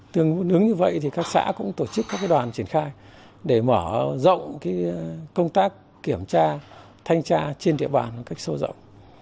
tương ứng như vậy thì các xã cũng tổ chức các đoàn triển khai để mở rộng công tác kiểm tra thanh tra trên địa bàn một cách sâu rộng